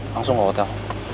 langsung ke hotel